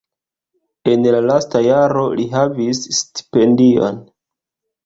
En la lasta jaro li havis stipendion.